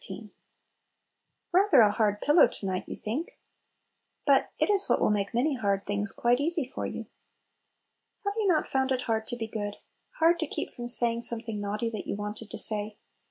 RATHER a hard "pillow" to night, you think! But it is what will make many hard things quite easy for you. Have you not found it hard to be good? hard to keep from saying some thing naughty that you wanted to say?